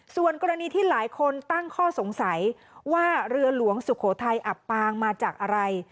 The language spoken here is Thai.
ส่วนกรณีที่หลายคนตั้งข้อสงสัยว่าเรือหลวงสุโขทัยอับปางมาจากอะไร